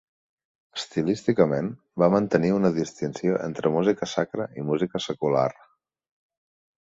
Estilísticament va mantenir una distinció entre música sacra i música secular.